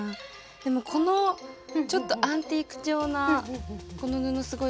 でもこのちょっとアンティーク調なこの布すごいかわいいです。